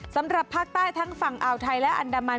สำหรับภาคใต้ทั้งฝั่งอ่าวไทยและอันดามัน